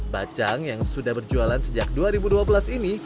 bacang yang sudah berjualan sejak dua ribu dua belas ini